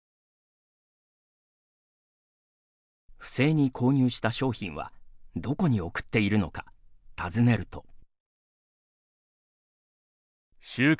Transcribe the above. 不正に購入した商品はどこに送っているのか尋ねると。